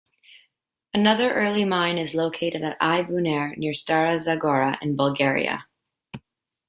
Another early mine is located at Ai Bunar near Stara Zagora in Bulgaria.